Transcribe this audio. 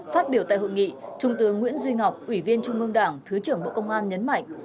phát biểu tại hội nghị trung tướng nguyễn duy ngọc ủy viên trung ương đảng thứ trưởng bộ công an nhấn mạnh